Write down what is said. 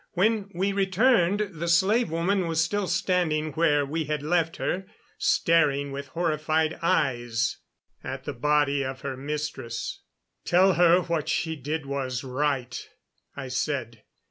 When we returned the slave woman was still standing where we had left her, staring with horrified eyes at the body of her mistress. "Tell her what she did was right," I said.